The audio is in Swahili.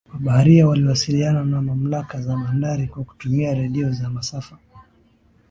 mabaharia waliwasiliana na mamlaka za bandari kwa kutumia radio za masafa